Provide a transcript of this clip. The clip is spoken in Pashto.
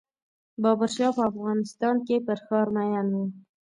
بابر شاه په افغانستان کې پر ښار مین و.